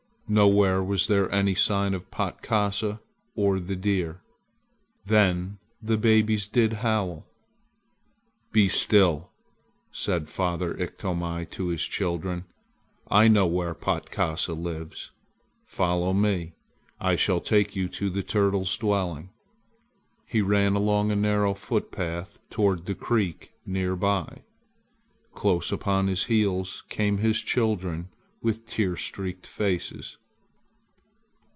Nowhere was there any sign of Patkasa or the deer. Then the babes did howl! "Be still!" said father Iktomi to his children. "I know where Patkasa lives. Follow me. I shall take you to the turtle's dwelling." He ran along a narrow footpath toward the creek near by. Close upon his heels came his children with tear streaked faces.